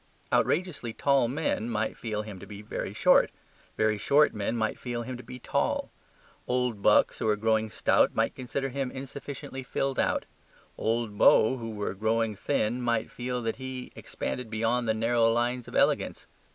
Outrageously tall men might feel him to be short. Very short men might feel him to be tall. Old bucks who are growing stout might consider him insufficiently filled out; old beaux who were growing thin might feel that he expanded beyond the narrow lines of elegance.